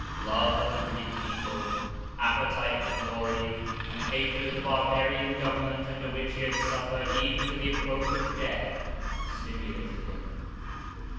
Love of the Greek people, appetite for glory, and hatred of the barbarian government under which he had suffered even to the approach of death, stimulated him.